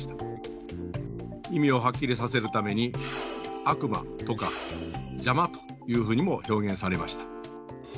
意味をはっきりさせるために「悪魔」とか「邪魔」というふうにも表現されました。